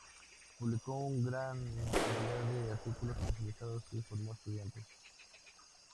Publicó una gran cantidad de artículos especializados y formó estudiantes.